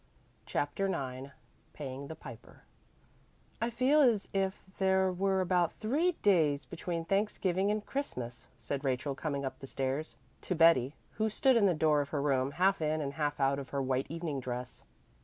CHAPTER IX PAYING THE PIPER "I feel as if there were about three days between Thanksgiving and Christmas," said Rachel, coming up the stairs, to Betty, who stood in the door of her room half in and half out of her white evening dress.